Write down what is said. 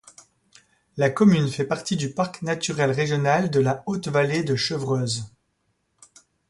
La commune fait partie du parc naturel régional de la Haute-Vallée de Chevreuse.